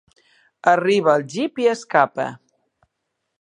Arriba al jeep i escapa.